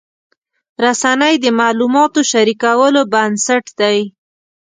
رسنۍ د معلوماتو شریکولو بنسټ دي.